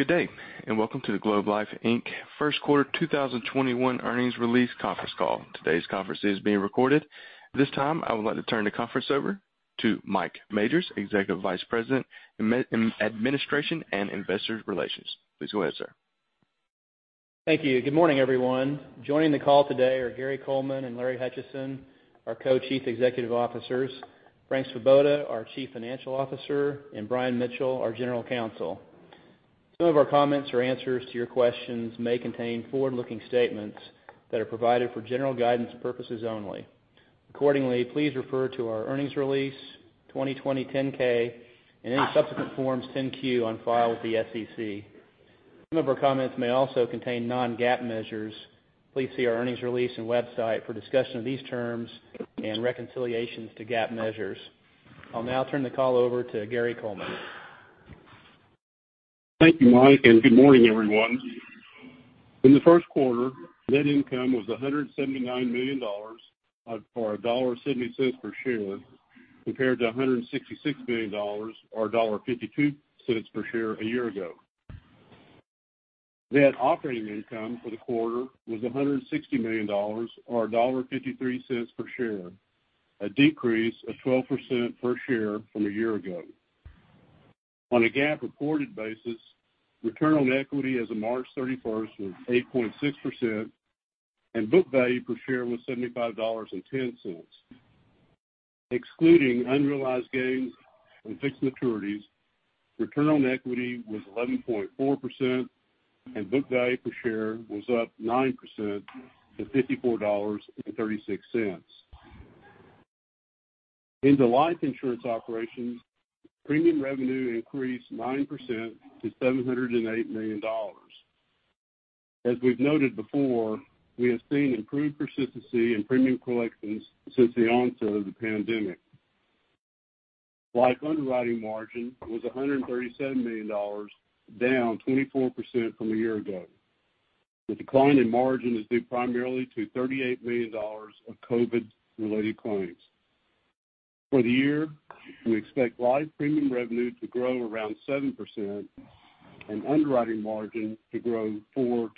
Good day, and welcome to the Globe Life Inc. First Quarter 2021 Earnings Release Conference Call. Today's conference is being recorded. At this time, I would like to turn the conference over to Mike Majors, Executive Vice President, Administration and Investor Relations. Please go ahead, sir. Thank you. Good morning, everyone. Joining the call today are Gary L. Coleman and Larry M. Hutchison, our Co-Chief Executive Officers, Frank M. Svoboda, our Chief Financial Officer, and R. Brian Mitchell, our General Counsel. Some of our comments or answers to your questions may contain forward-looking statements that are provided for general guidance purposes only. Accordingly, please refer to our earnings release, 2020 10-K, and any subsequent Forms 10-Q on file with the SEC. Some of our comments may also contain non-GAAP measures. Please see our earnings release and website for a discussion of these terms and reconciliations to GAAP measures. I'll now turn the call over to Gary L. Coleman. Thank you, Mike. Good morning, everyone. In the first quarter, net income was $179 million, or $1.70 per share, compared to $166 million, or $1.52 per share a year ago. Net operating income for the quarter was $160 million, or $1.53 per share, a decrease of 12% per share from a year ago. On a GAAP basis, return on equity as of March 31st was 8.6%, and book value per share was $75.10. Excluding unrealized gains on fixed maturities, return on equity was 11.4%, and book value per share was up 9% to $54.36. In the life insurance operations, premium revenue increased 9% to $708 million. As we've noted before, we have seen improved persistency in premium collections since the onset of the pandemic. Life underwriting margin was $137 million, down 24% from a year ago. The decline in margin is due primarily to $38 million of COVID claims. For the year, we expect life premium revenue to grow around 7% and underwriting margin to grow 4%-6%.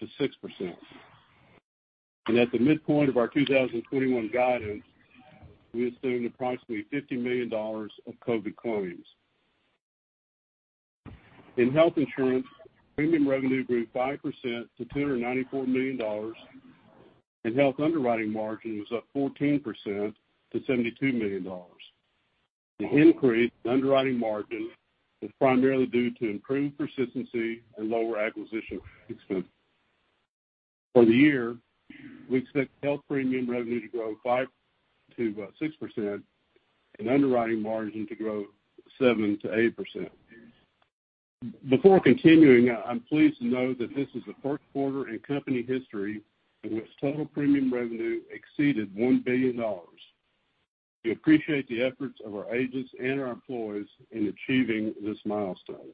At the midpoint of our 2021 guidance, we assume approximately $50 million of COVID claims. In health insurance, premium revenue grew 5% to $294 million, and health underwriting margin was up 14% to $72 million. The increase in underwriting margin was primarily due to improved persistency and lower acquisition expense. For the year, we expect health premium revenue to grow 5%-6% and underwriting margin to grow 7%-8%. Before continuing, I'm pleased to note that this is the first quarter in company history in which total premium revenue exceeded $1 billion. We appreciate the efforts of our agents and our employees in achieving this milestone.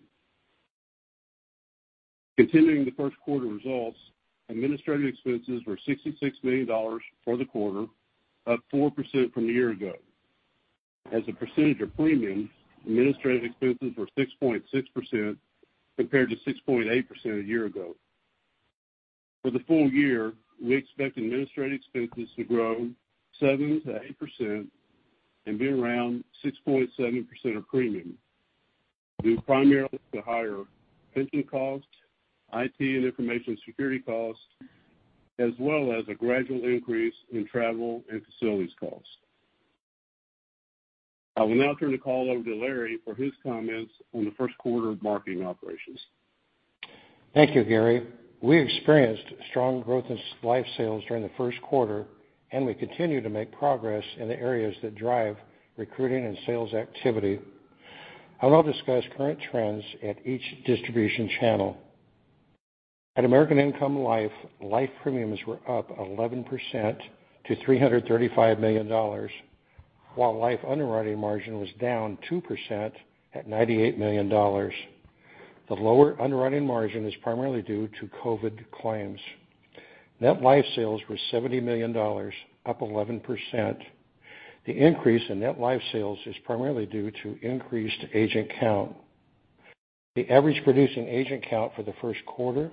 Continuing the first quarter results, administrative expenses were $66 million for the quarter, up 4% from a year ago. As a percentage of premiums, administrative expenses were 6.6% compared to 6.8% a year ago. For the full-year, we expect administrative expenses to grow 7% to 8% and be around 6.7% of premium, due primarily to higher pension costs, IT and information security costs, as well as a gradual increase in travel and facilities costs. I will now turn the call over to Larry for his comments on the first quarter marketing operations. Thank you, Gary. We experienced strong growth in life sales during the first quarter, and we continue to make progress in the areas that drive recruiting and sales activity. I will now discuss current trends at each distribution channel. At American Income Life, life premiums were up 11% to $335 million, while life underwriting margin was down 2% at $98 million. The lower underwriting margin is primarily due to COVID claims. Net life sales were $70 million, up 11%. The increase in net life sales is primarily due to increased agent count. The average producing agent count for the first quarter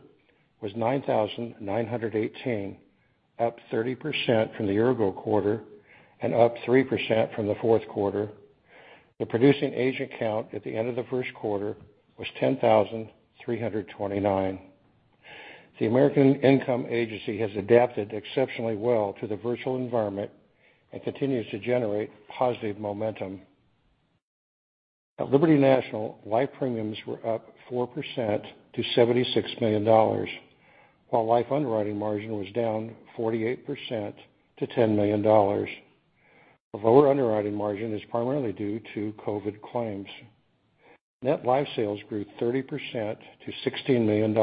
was 9,918, up 30% from the year-ago quarter and up 3% from the fourth quarter. The producing agent count at the end of the first quarter was 10,329. The American Income agency has adapted exceptionally well to the virtual environment and continues to generate positive momentum. At Liberty National, life premiums were up 4% to $76 million, while life underwriting margin was down 48% to $10 million. A lower underwriting margin is primarily due to COVID claims. Net life sales grew 30% to $16 million,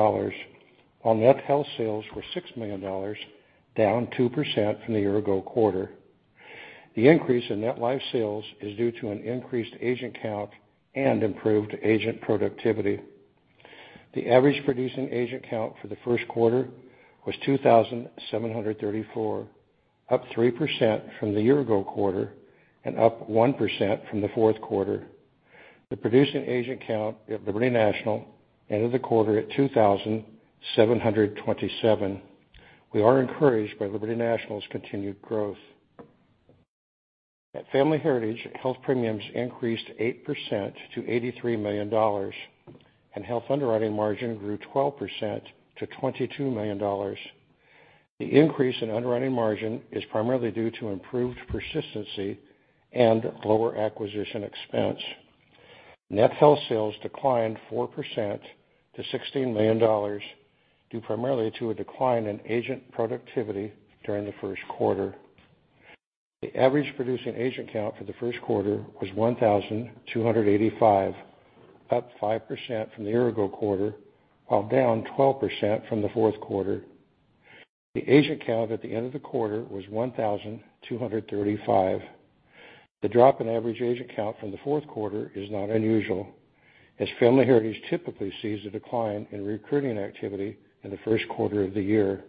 while net health sales were $6 million, down 2% from the year-ago quarter. The increase in net life sales is due to an increased agent count and improved agent productivity. The average producing agent count for the first quarter was 2,734, up 3% from the year-ago quarter and up 1% from the fourth quarter. The producing agent count at Liberty National ended the quarter at 2,727. We are encouraged by Liberty National's continued growth. At Family Heritage, health premiums increased 8% to $83 million, and health underwriting margin grew 12% to $22 million. The increase in underwriting margin is primarily due to improved persistency and lower acquisition expense. Net health sales declined 4% to $16 million, due primarily to a decline in agent productivity during the first quarter. The average producing agent count for the first quarter was 1,285, up 5% from the year ago quarter, while down 12% from the fourth quarter. The agent count at the end of the quarter was 1,235. The drop in average agent count from the fourth quarter is not unusual, as Family Heritage typically sees a decline in recruiting activity in the first quarter of the year.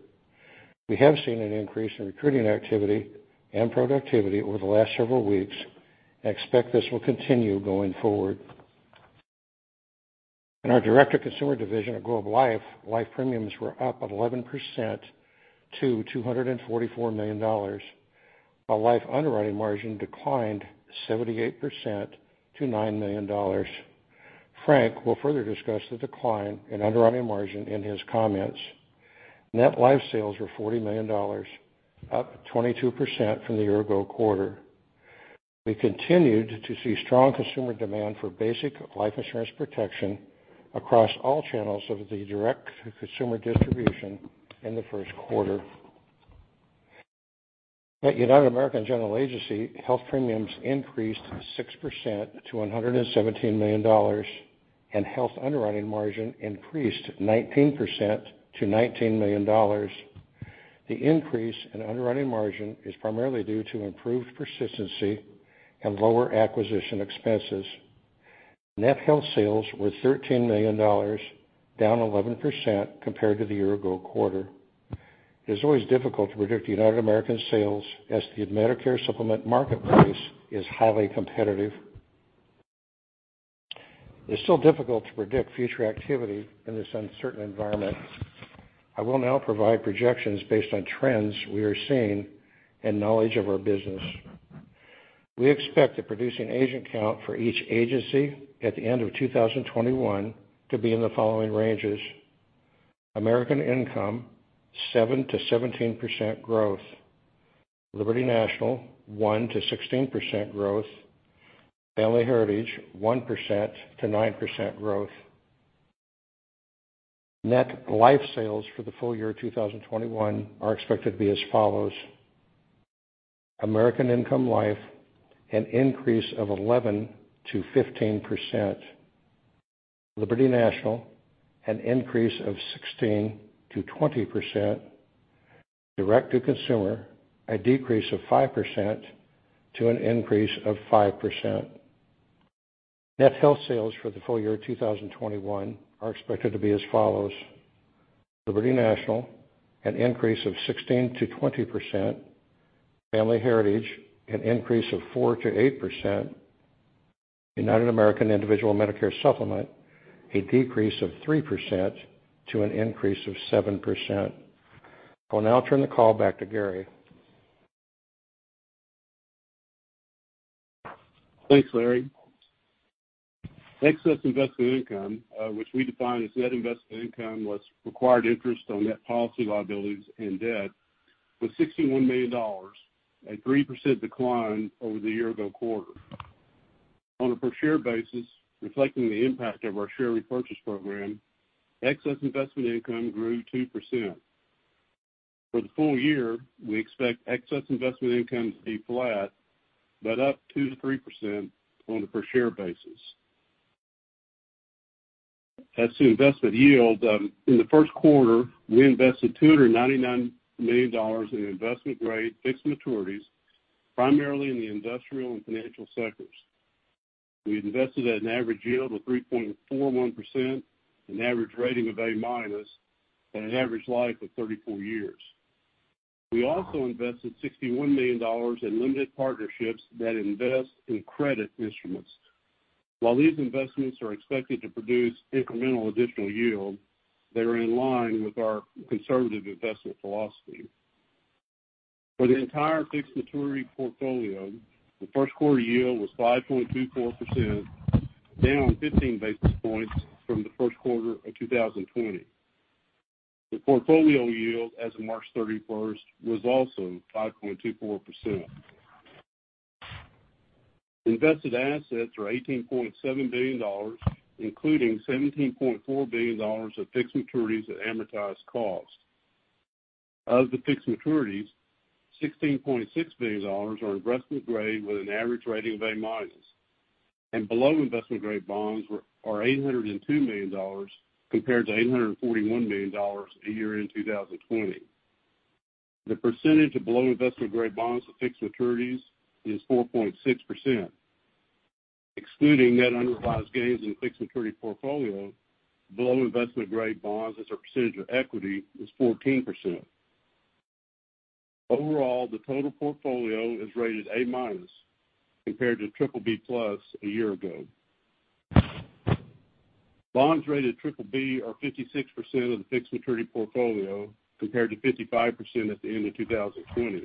We have seen an increase in recruiting activity and productivity over the last several weeks and expect this will continue going forward. In our direct-to-consumer division at Globe Life, life premiums were up at 11% to $244 million, while life underwriting margin declined 78% to $9 million. Frank will further discuss the decline in underwriting margin in his comments. Net life sales were $40 million, up 22% from the year ago quarter. We continued to see strong consumer demand for basic life insurance protection across all channels of the direct-to-consumer distribution in the first quarter. At United American General Agency, health premiums increased 6% to $117 million, and health underwriting margin increased 19% to $19 million. The increase in underwriting margin is primarily due to improved persistency and lower acquisition expenses. Net health sales were $13 million, down 11% compared to the year ago quarter. It is always difficult to predict United American sales as the Medicare Supplement marketplace is highly competitive. It's still difficult to predict future activity in this uncertain environment. I will now provide projections based on trends we are seeing and knowledge of our business. We expect the producing agent count for each agency at the end of 2021 to be in the following ranges: American Income, 7%-17% growth; Liberty National, 1%-16% growth; Family Heritage, 1%-9% growth. Net life sales for the full-year 2021 are expected to be as follows: American Income Life, an increase of 11%-15%; Liberty National, an increase of 16%-20%; direct-to-consumer, a decrease of 5% to an increase of 5%. Net health sales for the full-year 2021 are expected to be as follows: Liberty National, an increase of 16%-20%; Family Heritage, an increase of 4%-8%; United American Individual Medicare Supplement, a decrease of 3% to an increase of 7%. I will now turn the call back to Gary. Thanks, Larry. Excess investment income, which we define as net investment income less required interest on net policy liabilities and debt, was $61 million, a 3% decline over the year ago quarter. On a per share basis, reflecting the impact of our share repurchase program, excess investment income grew 2%. For the full-year, we expect excess investment income to be flat, but up 2%-3% on a per share basis. As to investment yield, in the first quarter, we invested $299 million in investment-grade fixed maturities, primarily in the industrial and financial sectors. We invested at an average yield of 3.41%, an average rating of A minus, and an average life of 34 years. We also invested $61 million in limited partnerships that invest in credit instruments. While these investments are expected to produce incremental additional yield, they are in line with our conservative investment philosophy. For the entire fixed maturity portfolio, the first quarter yield was 5.24%, down 15 basis points from the first quarter of 2020. The portfolio yield as of March 31st was also 5.24%. Invested assets were $18.7 billion, including $17.4 billion of fixed maturities at amortized cost. Of the fixed maturities, $16.6 billion are investment grade with an average rating of A-, and below investment grade bonds are $802 million compared to $841 million a year in 2020. The percentage of below investment grade bonds to fixed maturities is 4.6%. Excluding net unrealized gains in fixed maturity portfolio, below investment grade bonds as a percentage of equity is 14%. Overall, the total portfolio is rated A- compared to BBB+ a year ago. Bonds rated BBB are 56% of the fixed maturity portfolio, compared to 55% at the end of 2020.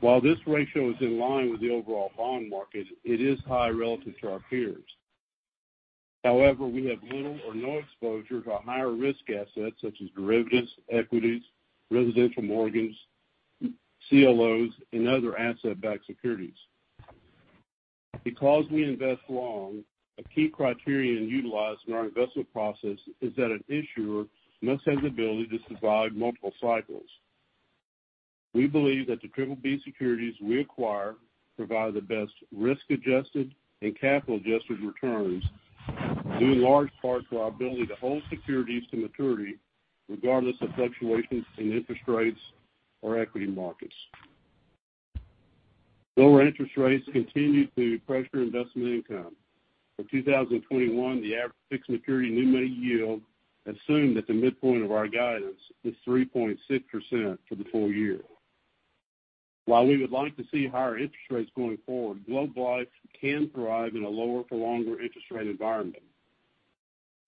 While this ratio is in line with the overall bond market, it is high relative to our peers. However, we have little or no exposure to higher risk assets such as derivatives, equities, residential mortgages, CLOs, and other asset-backed securities. Because we invest long, a key criterion utilized in our investment process is that an issuer must have the ability to survive multiple cycles. We believe that the BBB securities we acquire provide the best risk-adjusted and capital-adjusted returns due in large part to our ability to hold securities to maturity regardless of fluctuations in interest rates or equity markets. Lower interest rates continue to pressure investment income. For 2021, the average fixed maturity new money yield assumed at the midpoint of our guidance is 3.6% for the full-year. While we would like to see higher interest rates going forward, Globe Life can thrive in a lower-for-longer interest rate environment.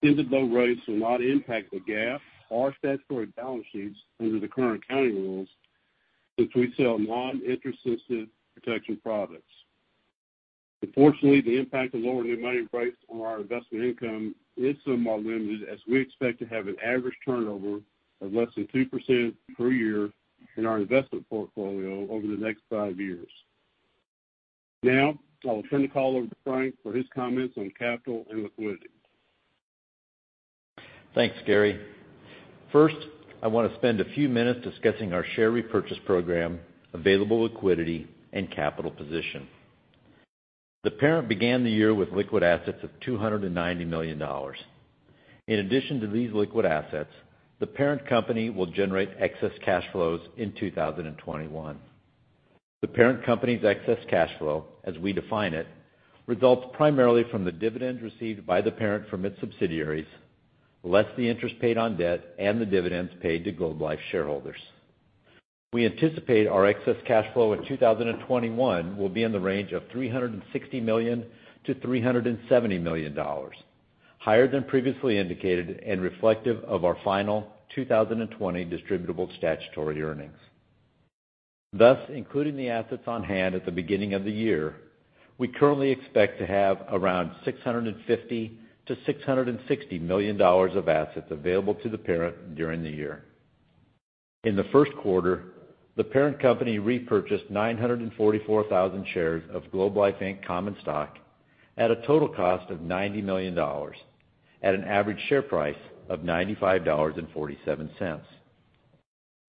Since the low rates will not impact the GAAP or statutory balance sheets under the current accounting rules, since we sell non-interest sensitive protection products. Unfortunately, the impact of lower new money rates on our investment income is somewhat limited, as we expect to have an average turnover of less than 2% per year in our investment portfolio over the next five years. I will turn the call over to Frank for his comments on capital and liquidity. Thanks, Gary. First, I want to spend a few minutes discussing our share repurchase program, available liquidity, and capital position. The parent began the year with liquid assets of $290 million. In addition to these liquid assets, the parent company will generate excess cash flows in 2021. The parent company's excess cash flow, as we define it, results primarily from the dividends received by the parent from its subsidiaries, less the interest paid on debt and the dividends paid to Globe Life shareholders. We anticipate our excess cash flow in 2021 will be in the range of $360 million to $370 million, higher than previously indicated and reflective of our final 2020 distributable statutory earnings. Thus, including the assets on hand at the beginning of the year, we currently expect to have around $650 million to $660 million of assets available to the parent during the year. In the first quarter, the parent company repurchased 944,000 shares of Globe Life Inc. common stock at a total cost of $90 million, at an average share price of $95.47.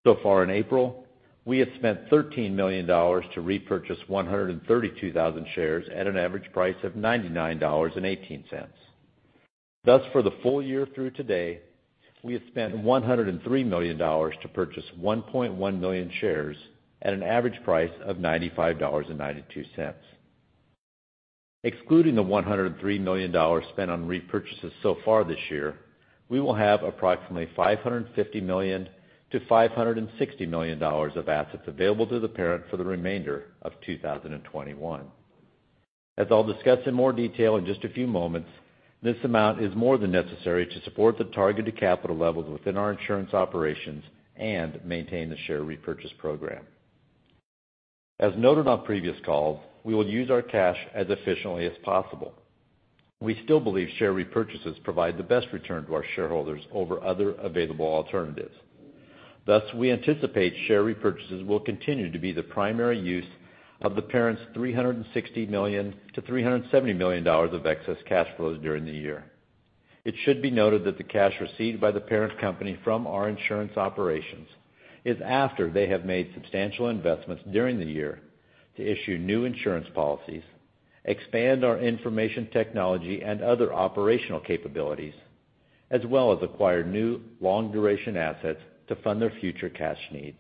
So far in April, we have spent $13 million to repurchase 132,000 shares at an average price of $99.18. Thus, for the full-year through today, we have spent $103 million to purchase 1.1 million shares at an average price of $95.92. Excluding the $103 million spent on repurchases so far this year, we will have approximately $550 million to $560 million of assets available to the parent for the remainder of 2021. As I'll discuss in more detail in just a few moments, this amount is more than necessary to support the targeted capital levels within our insurance operations and maintain the share repurchase program. As noted on previous calls, we will use our cash as efficiently as possible. We still believe share repurchases provide the best return to our shareholders over other available alternatives. Thus, we anticipate share repurchases will continue to be the primary use of the parent's $360 million to $370 million of excess cash flows during the year. It should be noted that the cash received by the parent company from our insurance operations is after they have made substantial investments during the year to issue new insurance policies, expand our information technology and other operational capabilities, as well as acquire new long-duration assets to fund their future cash needs.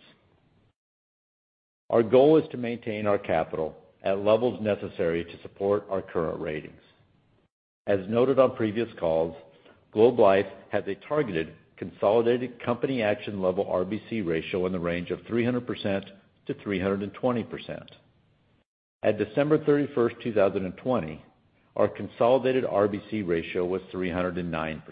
Our goal is to maintain our capital at levels necessary to support our current ratings. As noted on previous calls, Globe Life has a targeted consolidated company action level RBC ratio in the range of 300%-320%. At December 31st, 2020, our consolidated RBC ratio was 309%.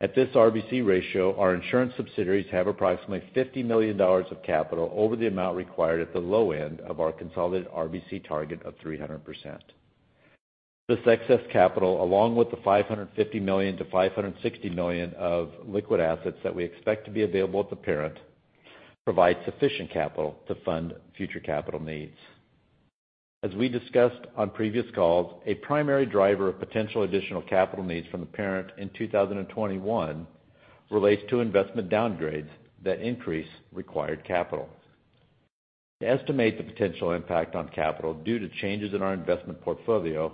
At this RBC ratio, our insurance subsidiaries have approximately $50 million of capital over the amount required at the low end of our consolidated RBC target of 300%. This excess capital, along with the $550 million to $560 million of liquid assets that we expect to be available at the parent, provide sufficient capital to fund future capital needs. As we discussed on previous calls, a primary driver of potential additional capital needs from the parent in 2021 relates to investment downgrades that increase required capital. To estimate the potential impact on capital due to changes in our investment portfolio,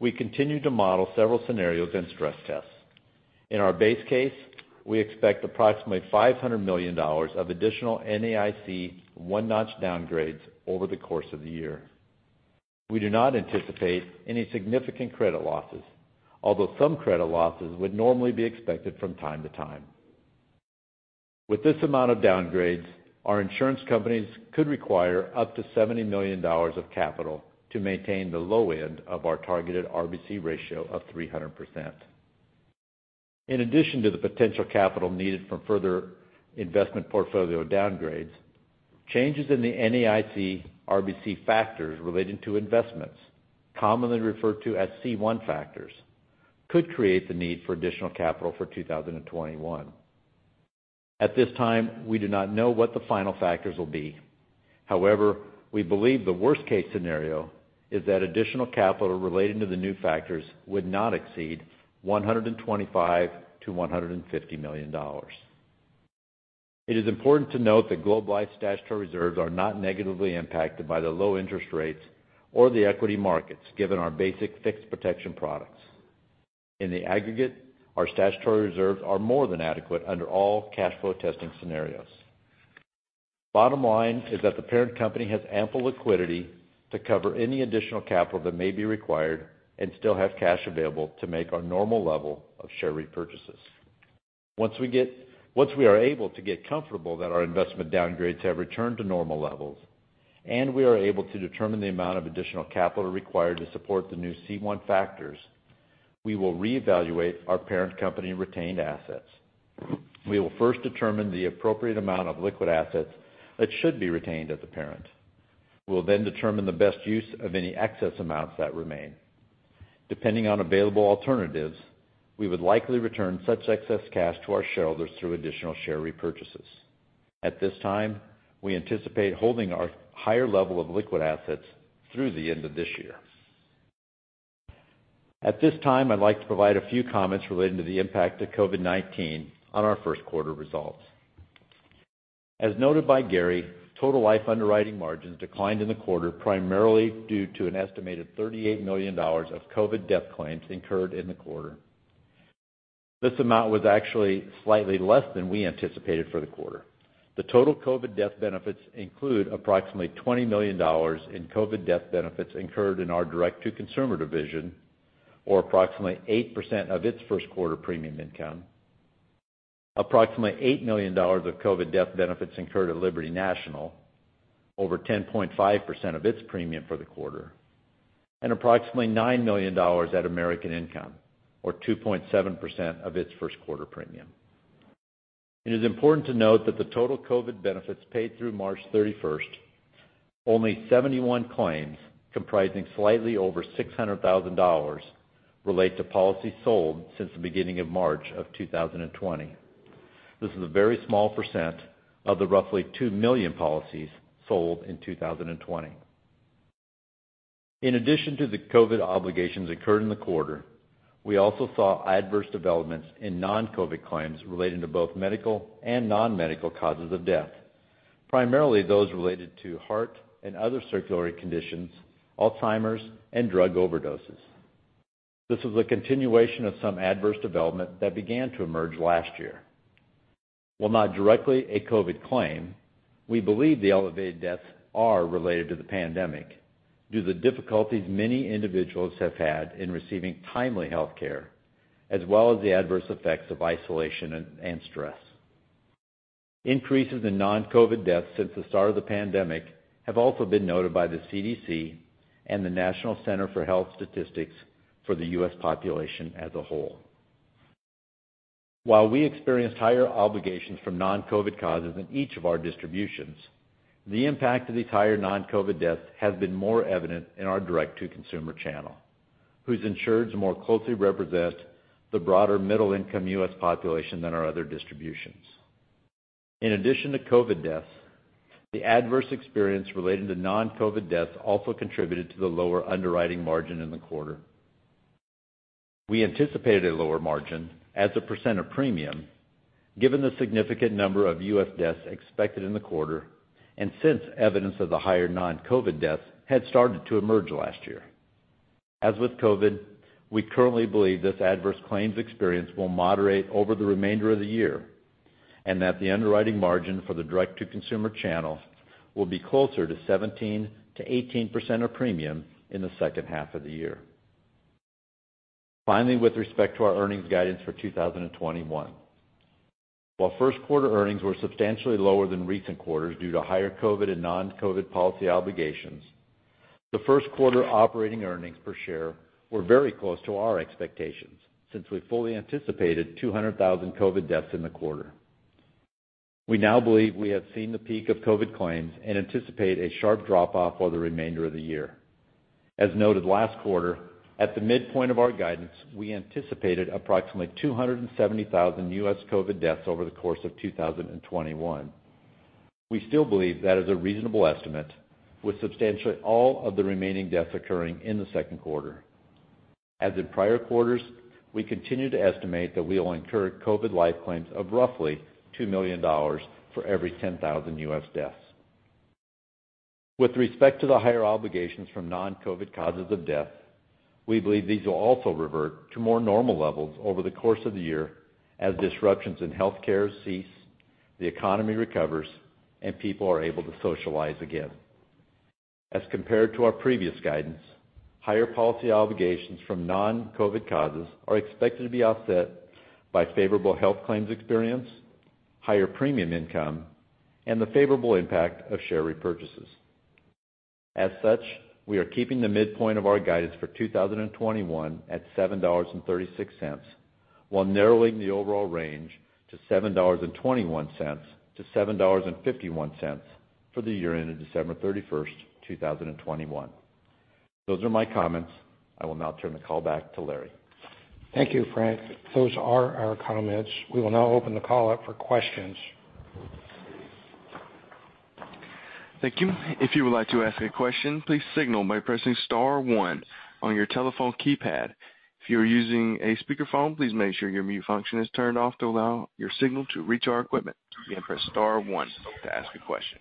we continue to model several scenarios and stress tests. In our base case, we expect approximately $500 million of additional NAIC one notch downgrades over the course of the year. We do not anticipate any significant credit losses, although some credit losses would normally be expected from time to time. With this amount of downgrades, our insurance companies could require up to $70 million of capital to maintain the low end of our targeted RBC ratio of 300%. In addition to the potential capital needed for further investment portfolio downgrades, changes in the NAIC RBC factors relating to investments, commonly referred to as C1 factors, could create the need for additional capital for 2021. At this time, we do not know what the final factors will be. However, we believe the worst case scenario is that additional capital relating to the new factors would not exceed $125 million to $150 million. It is important to note that Globe Life statutory reserves are not negatively impacted by the low interest rates or the equity markets, given our basic fixed protection products. In the aggregate, our statutory reserves are more than adequate under all cash flow testing scenarios. Bottom line is that the parent company has ample liquidity to cover any additional capital that may be required and still have cash available to make our normal level of share repurchases. Once we are able to get comfortable that our investment downgrades have returned to normal levels, and we are able to determine the amount of additional capital required to support the new C1 factors, we will reevaluate our parent company retained assets. We will first determine the appropriate amount of liquid assets that should be retained at the parent. We'll then determine the best use of any excess amounts that remain. Depending on available alternatives, we would likely return such excess cash to our shareholders through additional share repurchases. At this time, we anticipate holding our higher level of liquid assets through the end of this year. At this time, I'd like to provide a few comments relating to the impact of COVID-19 on our first quarter results. As noted by Gary, total life underwriting margins declined in the quarter, primarily due to an estimated $38 million of COVID death claims incurred in the quarter. This amount was actually slightly less than we anticipated for the quarter. The total COVID death benefits include approximately $20 million in COVID death benefits incurred in our direct-to-consumer division, or approximately 8% of its first quarter premium income, approximately $8 million of COVID death benefits incurred at Liberty National, over 10.5% of its premium for the quarter, and approximately $9 million at American Income, or 2.7% of its first quarter premium. It is important to note that the total COVID benefits paid through March 31st, only 71 claims comprising slightly over $600,000 relate to policies sold since the beginning of March of 2020. This is a very small % of the roughly 2 million policies sold in 2020. In addition to the COVID obligations incurred in the quarter, we also saw adverse developments in non-COVID claims relating to both medical and non-medical causes of death, primarily those related to heart and other circulatory conditions, Alzheimer's and drug overdoses. This was a continuation of some adverse development that began to emerge last year. While not directly a COVID claim, we believe the elevated deaths are related to the pandemic due to the difficulties many individuals have had in receiving timely healthcare, as well as the adverse effects of isolation and stress. Increases in non-COVID deaths since the start of the pandemic have also been noted by the CDC and the National Center for Health Statistics for the U.S. population as a whole. While we experienced higher obligations from non-COVID causes in each of our distributions, the impact of these higher non-COVID deaths has been more evident in our direct-to-consumer channel, whose insureds more closely represent the broader middle income U.S. population than our other distributions. In addition to COVID deaths, the adverse experience relating to non-COVID deaths also contributed to the lower underwriting margin in the quarter. We anticipated a lower margin as a percent of premium given the significant number of U.S. deaths expected in the quarter, and since evidence of the higher non-COVID deaths had started to emerge last year. As with COVID, we currently believe this adverse claims experience will moderate over the remainder of the year, and that the underwriting margin for the direct-to-consumer channel will be closer to 17%-18% of premium in the second half of the year. Finally, with respect to our earnings guidance for 2021, while first quarter earnings were substantially lower than recent quarters due to higher COVID and non-COVID policy obligations, the first quarter operating earnings per share were very close to our expectations, since we fully anticipated 200,000 COVID deaths in the quarter. We now believe we have seen the peak of COVID claims and anticipate a sharp drop-off for the remainder of the year. As noted last quarter, at the midpoint of our guidance, we anticipated approximately 270,000 U.S. COVID deaths over the course of 2021. We still believe that is a reasonable estimate, with substantially all of the remaining deaths occurring in the second quarter. As in prior quarters, we continue to estimate that we will incur COVID life claims of roughly $2 million for every 10,000 U.S. deaths. With respect to the higher obligations from non-COVID causes of death, we believe these will also revert to more normal levels over the course of the year as disruptions in healthcare cease, the economy recovers, and people are able to socialize again. As compared to our previous guidance, higher policy obligations from non-COVID causes are expected to be offset by favorable health claims experience, higher premium income, and the favorable impact of share repurchases. As such, we are keeping the midpoint of our guidance for 2021 at $7.36, while narrowing the overall range to $7.21-$7.51 for the year ending December 31st, 2021. Those are my comments. I will now turn the call back to Larry. Thank you, Frank. Those are our comments. We will now open the call up for questions. Thank you. If you would like to ask a question, please signal by pressing star one on your telephone keypad. If you are using a speakerphone, please make sure your mute function is turned off to allow your signal to reach our equipment. Again, press star one to ask a question.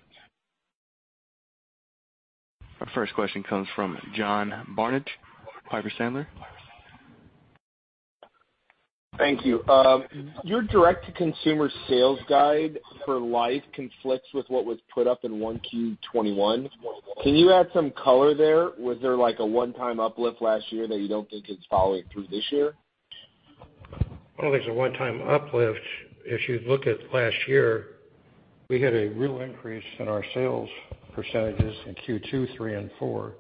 Our first question comes from John Barnidge, Piper Sandler. Thank you. Your direct-to-consumer sales guide for Life conflicts with what was put up in 1Q 2021. Can you add some color there? Was there like a one-time uplift last year that you don't think is following through this year? I don't think it's a one time uplift. If you look at last year, we had a real increase in our sales % in Q2, three, and four.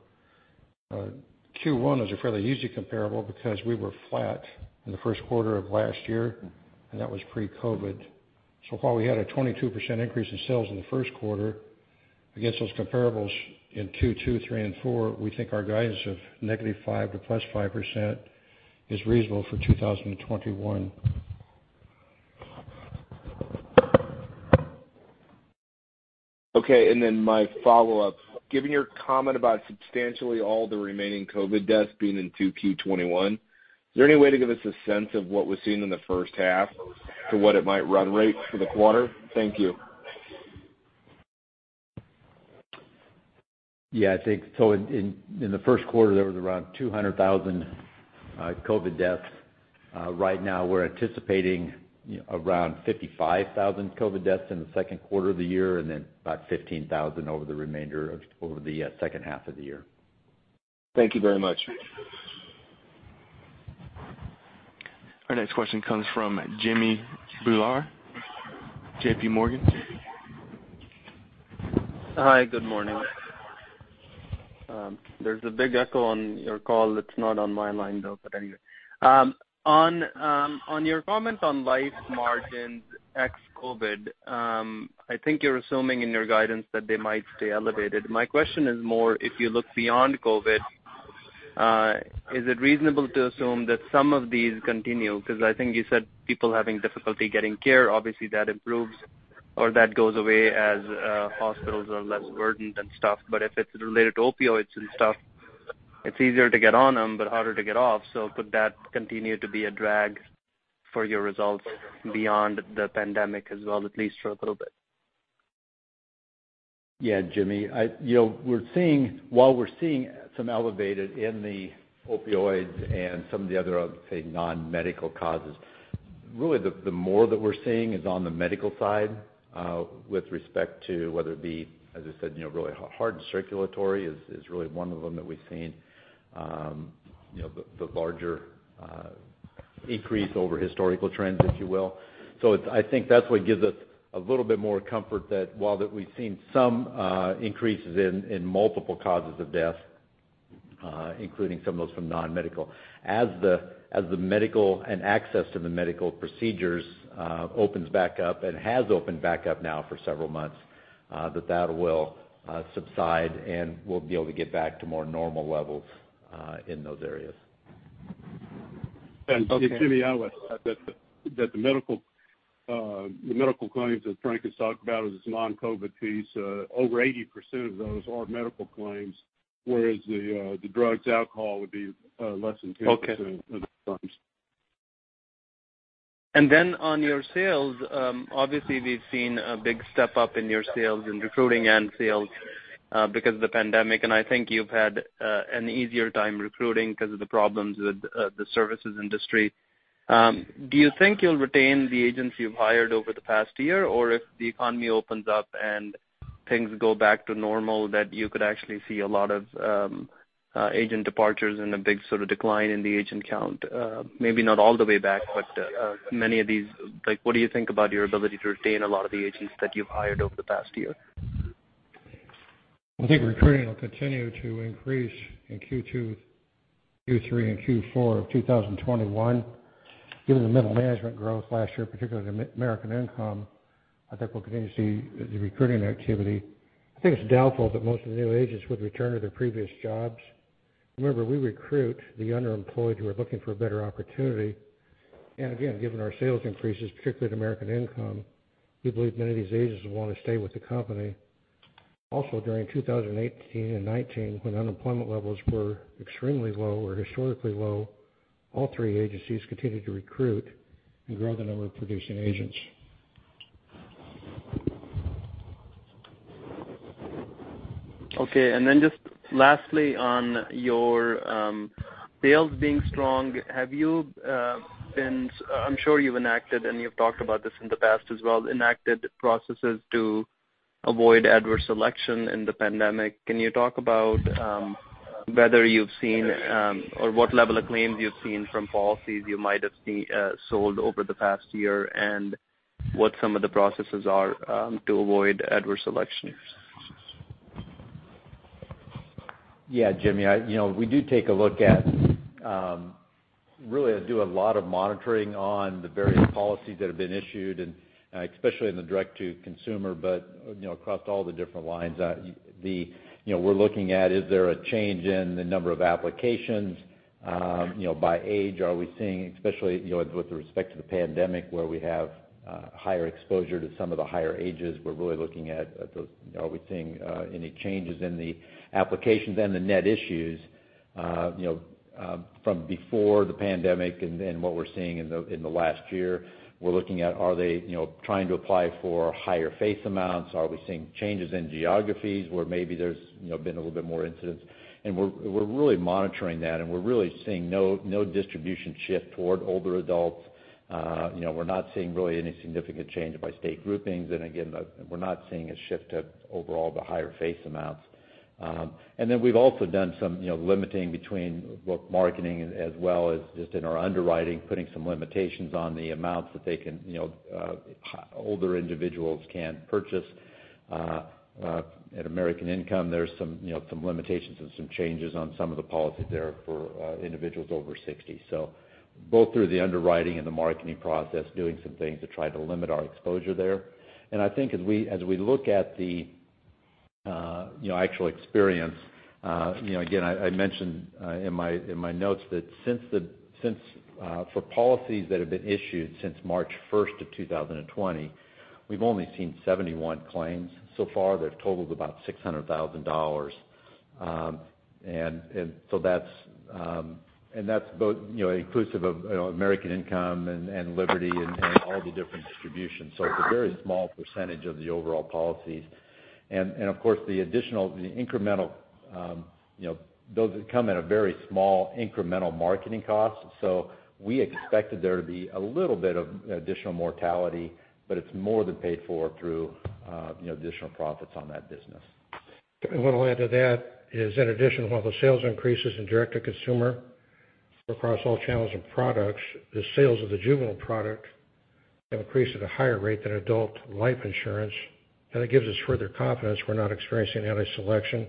Q1 is a fairly easy comparable because we were flat in the first quarter of last year, and that was pre-COVID. While we had a 22% increase in sales in the first quarter, against those comparables in Q2, three, and four, we think our guidance of -5% to +5% is reasonable for 2021. Okay. My follow-up, given your comment about substantially all the remaining COVID deaths being in 2Q 2021, is there any way to give us a sense of what was seen in the first half to what it might run rate for the quarter? Thank you. I think so in the first quarter, there was around 200,000 COVID deaths. Right now, we're anticipating around 55,000 COVID deaths in the second quarter of the year, and then about 15,000 over the second half of the year. Thank you very much. Our next question comes from Jimmy Bhullar, JPMorgan. Hi. Good morning. There's a big echo on your call. It's not on my line, though, but anyway. On your comments on life margins ex-COVID, I think you're assuming in your guidance that they might stay elevated. My question is more if you look beyond COVID, is it reasonable to assume that some of these continue? Because I think you said people having difficulty getting care, obviously that improves or that goes away as hospitals are less burdened and stuff. If it's related to opioids and stuff, it's easier to get on them, but harder to get off. Could that continue to be a drag for your results beyond the pandemic as well, at least for a little bit? Yeah, Jimmy. While we're seeing some elevated in the opioids and some of the other, say, non-medical causes, really the more that we're seeing is on the medical side, with respect to whether it be, as I said, really heart and circulatory is really one of them that we've seen the larger increase over historical trends, if you will. I think that's what gives us a little bit more comfort that while that we've seen some increases in multiple causes of death, including some of those from non-medical, as the medical and access to the medical procedures opens back up and has opened back up now for several months, that that will subside, and we'll be able to get back to more normal levels in those areas. Jimmy, I would add that the medical claims that Frank has talked about as this non-COVID piece, over 80% of those are medical claims, whereas the drugs, alcohol would be less than 10% of the claims. Okay. On your sales, obviously we've seen a big step-up in your sales in recruiting and sales because of the pandemic, and I think you've had an easier time recruiting because of the problems with the services industry. Do you think you'll retain the agents you've hired over the past year? If the economy opens up and things go back to normal, that you could actually see a lot of agent departures and a big sort of decline in the agent count? Maybe not all the way back, what do you think about your ability to retain a lot of the agents that you've hired over the past year? I think recruiting will continue to increase in Q2, Q3, and Q4 of 2021. Given the middle management growth last year, particularly the American Income, I think we'll continue to see the recruiting activity. I think it's doubtful that most of the new agents would return to their previous jobs. Remember, we recruit the underemployed who are looking for a better opportunity, and again, given our sales increases, particularly at American Income, we believe many of these agents will want to stay with the company. Also, during 2018 and 2019, when unemployment levels were extremely low or historically low, all three agencies continued to recruit and grow the number of producing agents. Okay. Just lastly, on your sales being strong, I'm sure you've enacted and you've talked about this in the past as well, enacted processes to avoid adverse selection in the pandemic. Can you talk about whether you've seen or what level of claims you've seen from policies you might have sold over the past year, and what some of the processes are to avoid adverse selection? Yeah, Jimmy, we do take a look at, really do a lot of monitoring on the various policies that have been issued, and especially in the direct-to-consumer, but across all the different lines. We're looking at, is there a change in the number of applications by age? Are we seeing, especially with respect to the pandemic where we have higher exposure to some of the higher ages, we're really looking at are we seeing any changes in the applications and the net issues from before the pandemic and what we're seeing in the last year. We're looking at are they trying to apply for higher face amounts? Are we seeing changes in geographies where maybe there's been a little bit more incidence? We're really monitoring that, and we're really seeing no distribution shift toward older adults. We're not seeing really any significant change by state groupings. Again, we're not seeing a shift to overall the higher face amounts. Then we've also done some limiting between what marketing, as well as just in our underwriting, putting some limitations on the amounts that older individuals can purchase. At American Income, there's some limitations and some changes on some of the policies there for individuals over 60. Both through the underwriting and the marketing process, doing some things to try to limit our exposure there. I think as we look at the actual experience, again, I mentioned in my notes that for policies that have been issued since March 1st of 2020, we've only seen 71 claims. So far, they've totaled about $600,000. That's both inclusive of American Income and Liberty and all the different distributions. It's a very small percentage of the overall policies. Of course, those come at a very small incremental marketing cost. We expected there to be a little bit of additional mortality, but it's more than paid for through additional profits on that business. What I'll add to that is in addition, while the sales increases in direct-to-consumer across all channels and products, the sales of the juvenile product have increased at a higher rate than adult life insurance, and it gives us further confidence we're not experiencing any selection,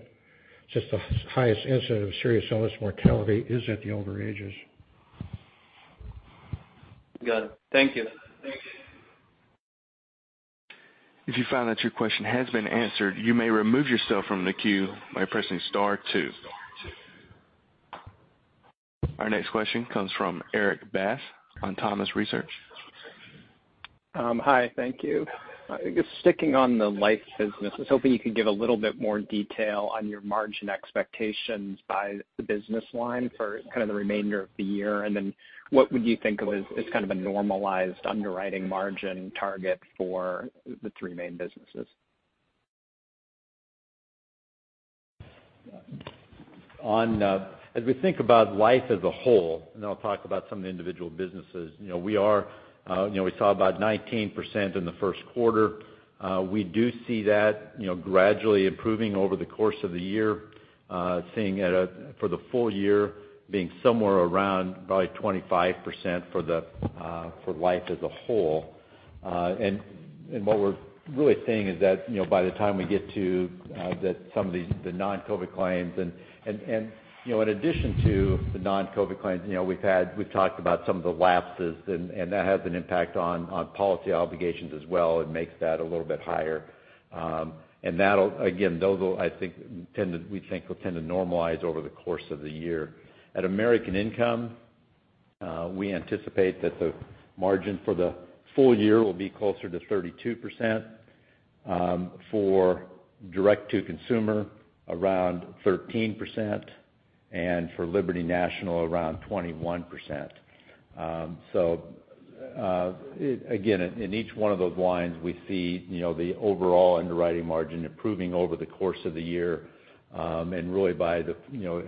just the highest incident of serious illness mortality is at the older ages. Got it. Thank you. Our next question comes from Erik Bass on Autonomous Research. Hi, thank you. Sticking on the life business, I was hoping you could give a little bit more detail on your margin expectations by the business line for kind of the remainder of the year. What would you think of as kind of a normalized underwriting margin target for the three main businesses? As we think about life as a whole, and I'll talk about some of the individual businesses, we saw about 19% in the first quarter. We do see that gradually improving over the course of the year, seeing for the full-year being somewhere around probably 25% for life as a whole. What we're really seeing is that by the time we get to some of the non-COVID claims, and in addition to the non-COVID claims, we've talked about some of the lapses, and that has an impact on policy obligations as well and makes that a little bit higher. Again, those I think we think will tend to normalize over the course of the year. At American Income, we anticipate that the margin for the full-year will be closer to 32%, for direct-to-consumer, around 13%, and for Liberty National, around 21%. Again, in each one of those lines, we see the overall underwriting margin improving over the course of the year. Really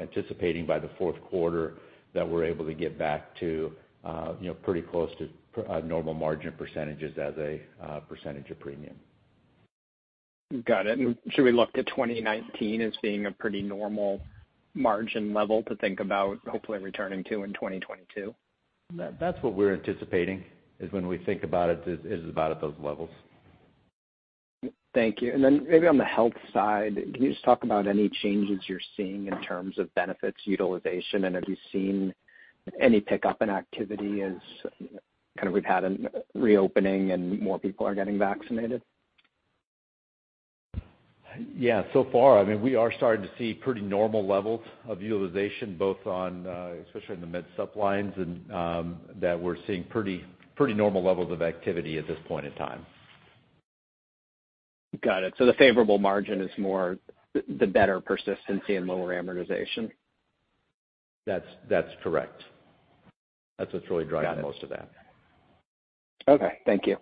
anticipating by the fourth quarter that we're able to get back to pretty close to normal margin percentages as a percentage of premium. Got it. Should we look to 2019 as being a pretty normal margin level to think about hopefully returning to in 2022? That's what we're anticipating, is when we think about it, is about at those levels. Thank you. Then maybe on the health side, can you just talk about any changes you're seeing in terms of benefits utilization? Have you seen any pickup in activity as kind of we've had a reopening and more people are getting vaccinated? So far, I mean, we are starting to see pretty normal levels of utilization, both on especially in the Medicare Supplement lines, and that we're seeing pretty normal levels of activity at this point in time. The favorable margin is more the better persistency and lower amortization? That's correct. That's what's really driving most of that. Okay, thank you.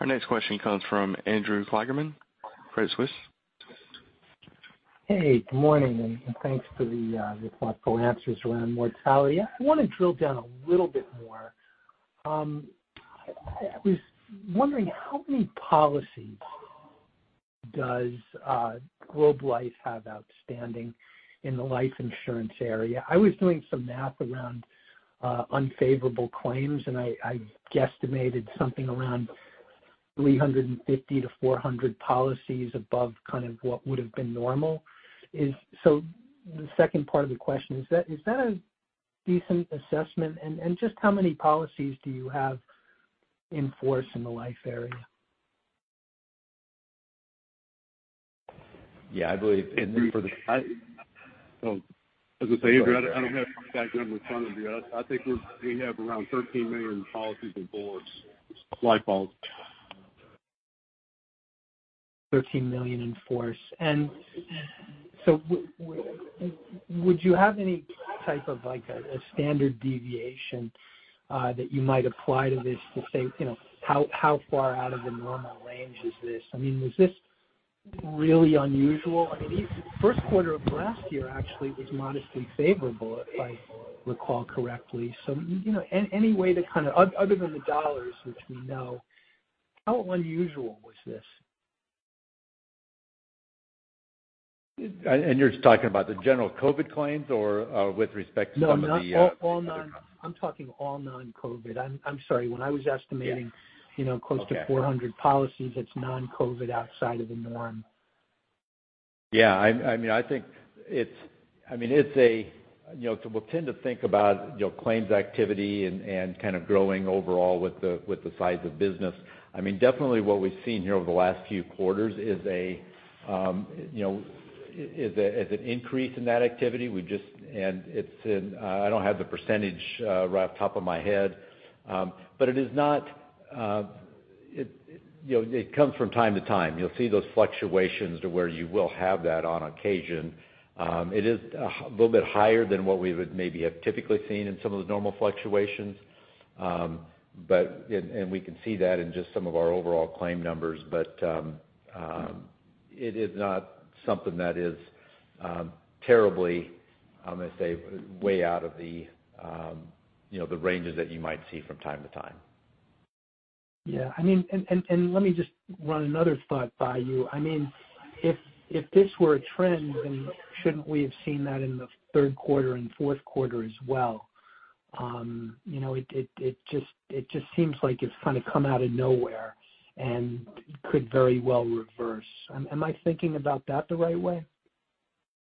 Our next question comes from Andrew Kligerman, Credit Suisse. Good morning, thanks for the thoughtful answers around mortality. I want to drill down a little bit more. I was wondering how many policies does Globe Life have outstanding in the life insurance area? I was doing some math around unfavorable claims, and I guesstimated something around 350-400 policies above what would have been normal. The second part of the question is that a decent assessment? Just how many policies do you have in force in the life area? Yeah. I believed Andrew, as I say, I don't have that number in front of me. I think we have around 13 million policies in force, life policies. 13 million in force. Would you have any type of standard deviation that you might apply to this to say how far out of the normal range is this? I mean, was this really unusual? I mean, first quarter of last year actually was modestly favorable, if I recall correctly. Any way to kind of, other than the dollars, which we know, how unusual was this? You're just talking about the general COVID claims or with respect to some of the? I'm talking all non-COVID. I'm sorry. Yeah Close to 400 policies, it's non-COVID outside of the norm. Yeah. We'll tend to think about claims activity and kind of growing overall with the size of business. I mean, definitely what we've seen here over the last few quarters is an increase in that activity. I don't have the percentage right off the top of my head, but it comes from time to time. You'll see those fluctuations to where you will have that on occasion. It is a little bit higher than what we would maybe have typically seen in some of the normal fluctuations. We can see that in just some of our overall claim numbers, but it is not something that is terribly, I'm going to say, way out of the ranges that you might see from time to time. Yeah. Let me just run another thought by you. I mean, if this were a trend, shouldn't we have seen that in the third quarter and fourth quarter as well? It just seems like it's kind of come out of nowhere and could very well reverse. Am I thinking about that the right way?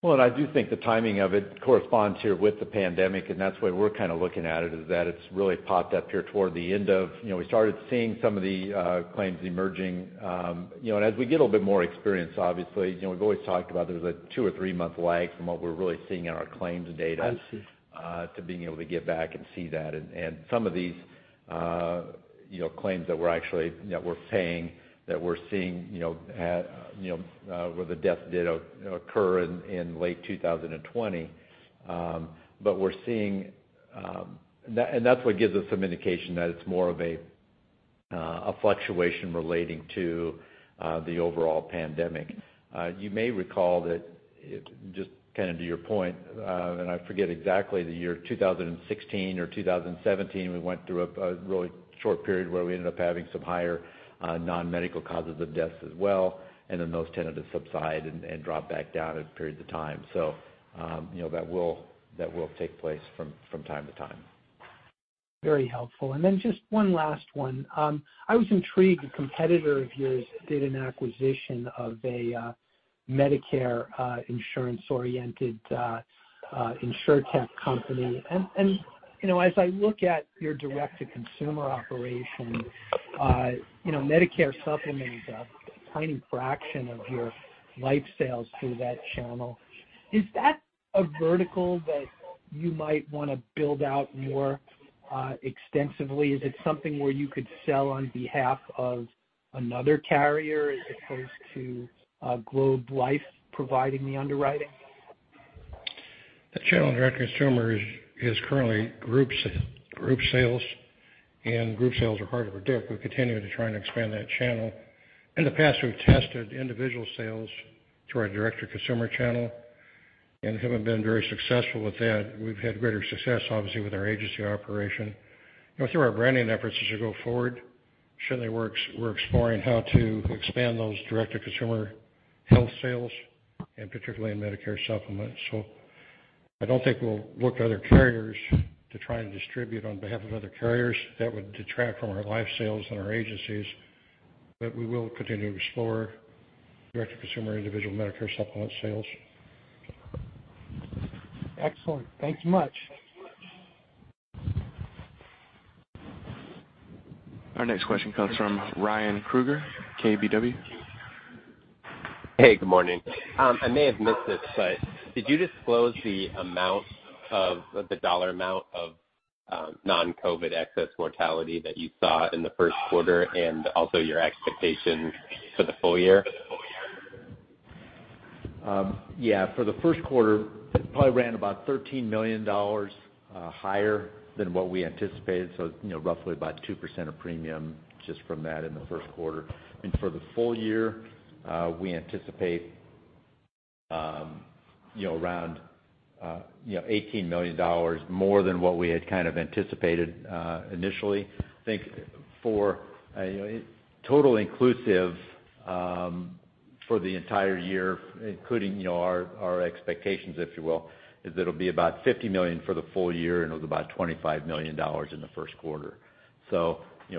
I do think the timing of it corresponds here with the pandemic, and that's the way we're kind of looking at it, is that it's really popped up here. We started seeing some of the claims emerging. As we get a little bit more experience, obviously, we've always talked about there's a two or three-month lag from what we're really seeing in our claims data. I see. To being able to get back and see that. Some of these claims that we're paying, that we're seeing where the death did occur in late 2020. That's what gives us some indication that it's more of a fluctuation relating to the overall pandemic. You may recall that, just kind of to your point, and I forget exactly the year, 2016 or 2017, we went through a really short period where we ended up having some higher non-medical causes of deaths as well, and then those tended to subside and drop back down at periods of time. That will take place from time to time. Very helpful. Just one last one. I was intrigued, a competitor of yours did an acquisition of a Medicare insurance-oriented insurtech company. As I look at your direct-to-consumer operation, Medicare Supplement a tiny fraction of your life sales through that channel. Is that a vertical that you might want to build out more extensively? Is it something where you could sell on behalf of another carrier as opposed to Globe Life providing the underwriting? The channel of direct-to-consumer is currently group sales, and group sales are part of our direct-to-consumer. We're continuing to try and expand that channel. In the past, we've tested individual sales through our direct-to-consumer channel and haven't been very successful with that. We've had greater success, obviously, with our agency operation. Through our branding efforts as we go forward, certainly we're exploring how to expand those direct-to-consumer health sales, and particularly in Medicare Supplement. I don't think we'll look to other carriers to try and distribute on behalf of other carriers. That would detract from our life sales and our agencies. We will continue to explore direct-to-consumer individual Medicare Supplement sales. Excellent. Thanks much. Our next question comes from Ryan Krueger, KBW. Hey, good morning. I may have missed this, but did you disclose the dollar amount of non-COVID excess mortality that you saw in the first quarter and also your expectations for the full-year? Yeah. For the first quarter, it probably ran about $13 million higher than what we anticipated. Roughly about 2% of premium just from that in the first quarter. For the full-year, we anticipate around $18 million more than what we had anticipated initially. I think for total inclusive for the entire year, including our expectations, if you will, is that it'll be about $50 million for the full-year, and it was about $25 million in the first quarter.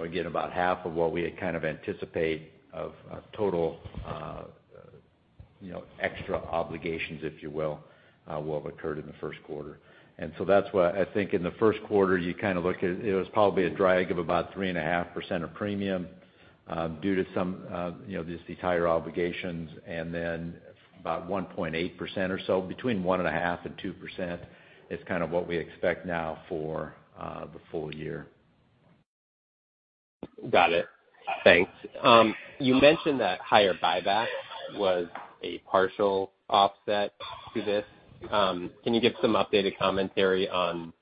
Again, about half of what we had kind of anticipate of total extra obligations, if you will have occurred in the first quarter. That's why I think in the first quarter, you look at it was probably a drag of about 3.5% of premium due to these higher obligations, and then about 1.8% or so, between 1.5% and 2% is what we expect now for the full-year. Got it. Thanks. You mentioned that higher buyback was a partial offset to this. Can you give some updated commentary on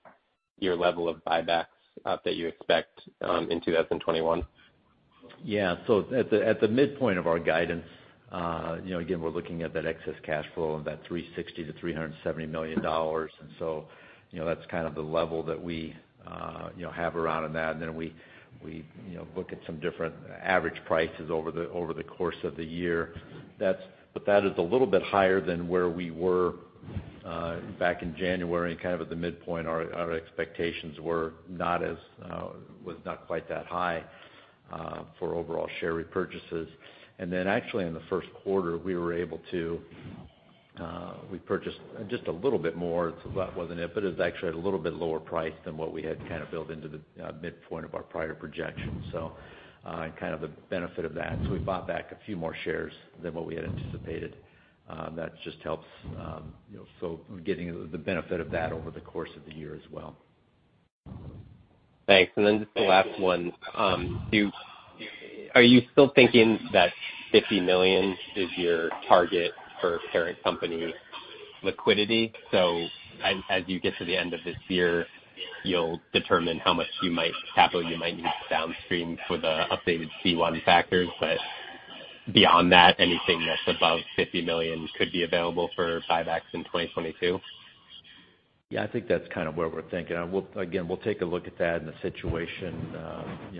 your level of buybacks that you expect in 2021? Yeah. At the midpoint of our guidance, again, we're looking at that excess cash flow of that $360 million to $370 million. That's kind of the level that we have around in that. Then we look at some different average prices over the course of the year. That is a little bit higher than where we were back in January, kind of at the midpoint, our expectations was not quite that high for overall share repurchases. Actually in the first quarter, we purchased just a little bit more. That wasn't it, but it was actually at a little bit lower price than what we had built into the midpoint of our prior projections. Kind of the benefit of that. We bought back a few more shares than what we had anticipated. That just helps getting the benefit of that over the course of the year as well. Thanks. Just the last one. Are you still thinking that $50 million is your target for parent company liquidity? As you get to the end of this year, you'll determine how much capital you might need downstream for the updated C1 factors, but beyond that, anything that's above $50 million could be available for buybacks in 2022? Yeah, I think that's kind of where we're thinking. Again, we'll take a look at that and the situation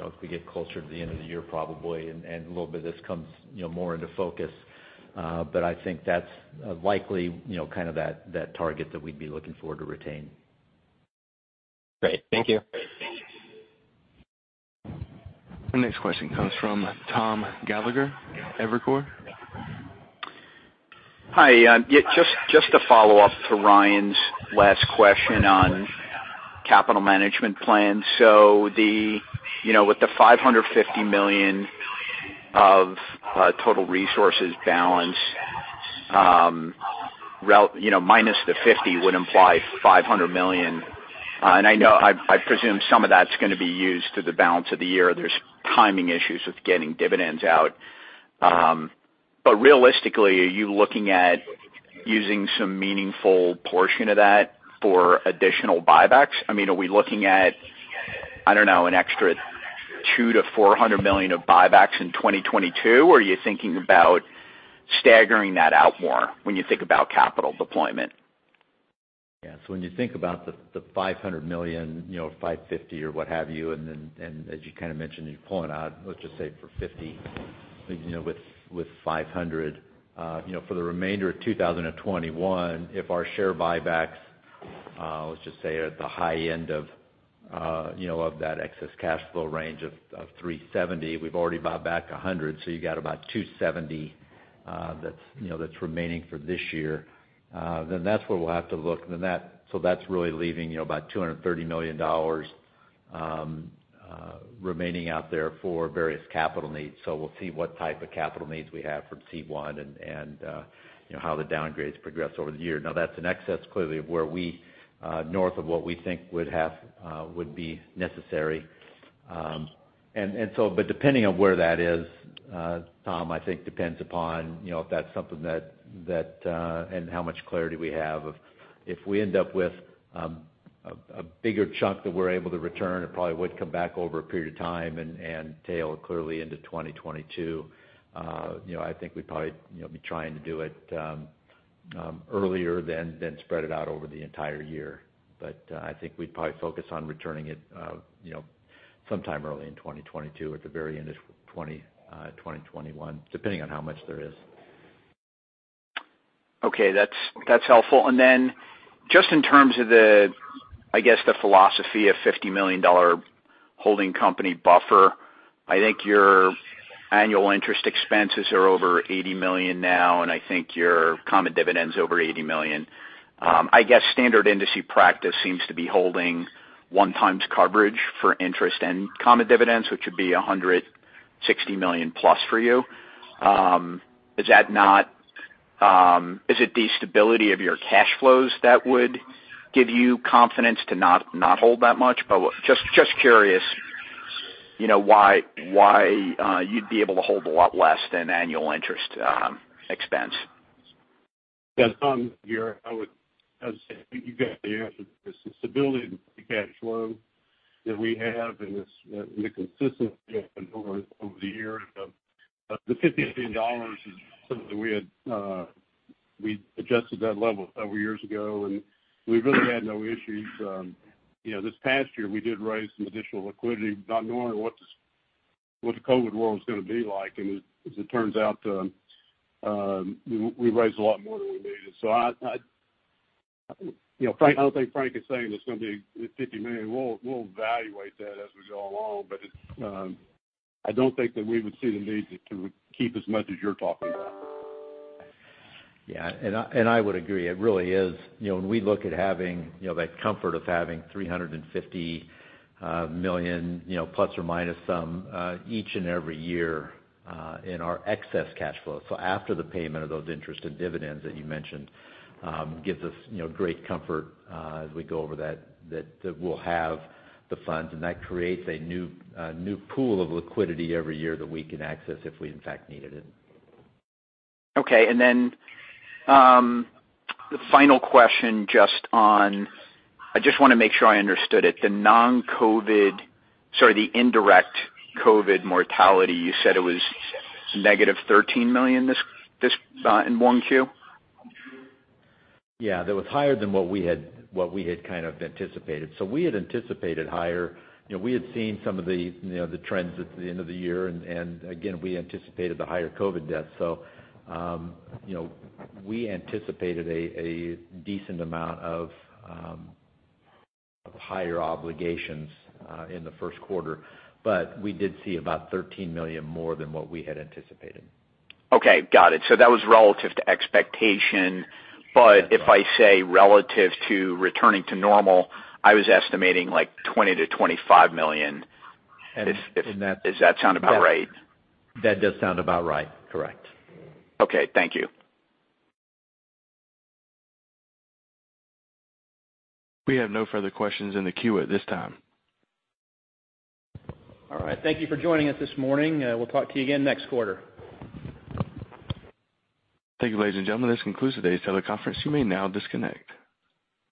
as we get closer to the end of the year probably, and a little bit of this comes more into focus. I think that's likely that target that we'd be looking for to retain. Great. Thank you. Our next question comes from Tom Gallagher, Evercore. Hi. Just a follow-up to Ryan's last question on capital management plan. With the $550 million of total resources balance minus the $50 would imply $500 million. I presume some of that's going to be used through the balance of the year. There's timing issues with getting dividends out. Realistically, are you looking at using some meaningful portion of that for additional buybacks? Are we looking at, I don't know, an extra $200 million to $400 million of buybacks in 2022? Are you thinking about staggering that out more when you think about capital deployment? Yeah. When you think about the $500 million, $550 or what have you. As you kind of mentioned, you're pulling out, let's just say for $50 with $500. For the remainder of 2021, if our share buybacks, let's just say, are at the high end of that excess cash flow range of $370, we've already bought back $100, so you got about $270 that's remaining for this year. That's where we'll have to look. That's really leaving about $230 million remaining out there for various capital needs. We'll see what type of capital needs we have from C1 and how the downgrades progress over the year. That's in excess, clearly north of what we think would be necessary. Depending on where that is, Tom, I think depends upon if that's something that and how much clarity we have of if we end up with a bigger chunk that we're able to return, it probably would come back over a period of time and tail clearly into 2022. I think we'd probably be trying to do it earlier than spread it out over the entire year. I think we'd probably focus on returning it sometime early in 2022 or at the very end of 2021, depending on how much there is. Okay. That's helpful. Just in terms of, I guess, the philosophy of $50 million holding company buffer, I think your annual interest expenses are over $80 million now, and I think your common dividend's over $80 million. I guess standard industry practice seems to be holding 1x coverage for interest and common dividends, which would be $160 million plus for you. Is it the stability of your cash flows that would give you confidence to not hold that much? Just curious why you'd be able to hold a lot less than annual interest expense. Yes. I would say you got the answer. The stability and the cash flow that we have and the consistency over the years. The $50 million is something that we adjusted that level several years ago, and we've really had no issues. This past year, we did raise some additional liquidity, not knowing what the COVID world was going to be like. As it turns out, we raised a lot more than we needed. I don't think Frank is saying there's going to be $50 million. We'll evaluate that as we go along. I don't think that we would see the need to keep as much as you're talking about. Yeah. I would agree. It really is. When we look at having that comfort of having $350 million, plus or minus some, each and every year in our excess cash flow. After the payment of those interest and dividends that you mentioned gives us great comfort as we go over that we'll have the funds, and that creates a new pool of liquidity every year that we can access if we in fact needed it. Okay. The final question, I just want to make sure I understood it. The non-COVID, sorry, the indirect COVID mortality, you said it was -$13 million in 1Q? That was higher than what we had kind of anticipated. We had anticipated higher. We had seen some of the trends at the end of the year, and again, we anticipated the higher COVID deaths. We anticipated a decent amount of higher obligations in the first quarter. We did see about $13 million more than what we had anticipated. Okay. Got it. That was relative to expectation. If I say relative to returning to normal, I was estimating like $20 million to $25 million. And that. Does that sound about right? That does sound about right. Correct. Okay. Thank you. We have no further questions in the queue at this time. All right. Thank you for joining us this morning. We'll talk to you again next quarter. Thank you, ladies and gentlemen. This concludes today's teleconference. You may now disconnect.